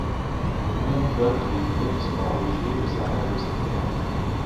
Le comte dote les établissements religieux de certaines de ses terres.